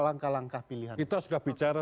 langkah langkah pilihan kita sudah bicara